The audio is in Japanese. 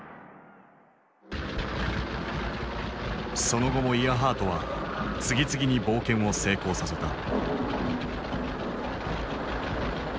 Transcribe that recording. その後もイアハートは次々に冒険を成功させた。